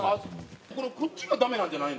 こっちがダメなんじゃないの？